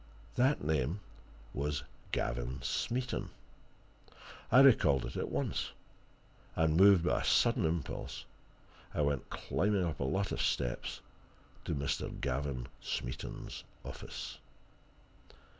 That name was Gavin Smeaton. I recalled it at once and, moved by a sudden impulse, I went climbing up a lot of steps to Mr. Gavin Smeaton's office.